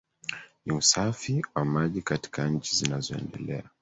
Ni usafi wa maji katika nchi zinazoendelea